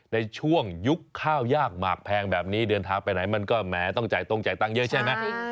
ในช่วงยุคข้าวยากมากแพงแบบนี้เดือนทางไปไหนมันก็แม้ต้องจ่ายตรงไต้เงินใช่ไหม